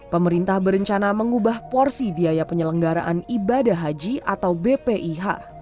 pemerintah berencana mengubah porsi biaya penyelenggaraan ibadah haji atau bpih